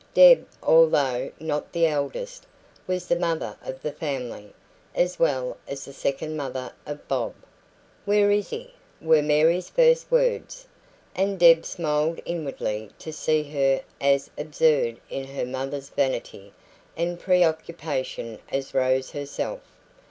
Deb, although not the eldest, was the mother of the family, as well as the second mother of Bob. "Where is he?" were Mary's first words and Deb smiled inwardly to see her as absurd in her mother's vanity and preoccupation as Rose herself.